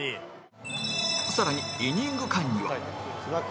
更にイニング間には